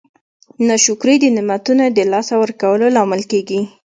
ناشکري د نعمتونو د لاسه ورکولو لامل کیږي.